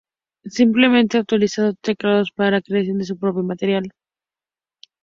Siempre ha utilizado teclados para la creación de su propio material.